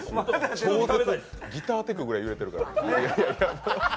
超絶ギターテクぐらい震えてるから。